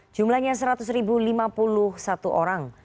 jumlahnya seratus lima puluh satu orang